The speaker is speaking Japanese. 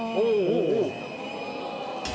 おお！